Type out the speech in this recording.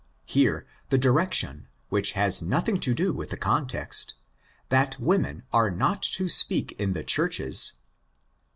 Here the direction—which has nothing to do with the context—that women are not to speak in the ehurches (xiv.